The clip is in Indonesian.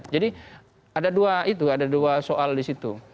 jadi ada dua itu ada dua soal disitu